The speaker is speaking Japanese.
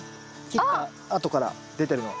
切ったあとから出てるの。